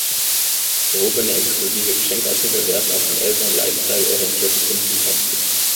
Gehobene, exklusive Geschenkartikel werden auch von älteren, lifestyle-orientierten Kunden gekauft.